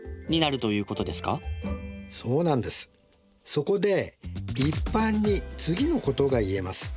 そこで一般に次のことが言えます。